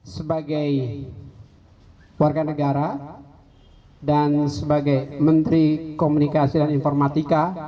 sebagai warga negara dan sebagai menteri komunikasi dan informatika